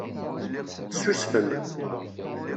Tessusfem.